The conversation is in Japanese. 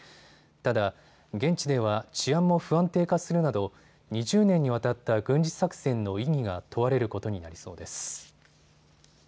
ただ現地では治安も不安定化するなど２０年にわたった軍事作戦の意義が問われることになりそうです。